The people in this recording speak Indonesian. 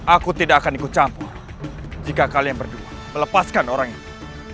aku tidak akan ikut campur jika kalian berdua melepaskan orang itu